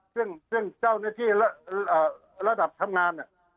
ซึ่งซึ่งเจ้าหน้าที่เอ่อระดับทำงานน่ะ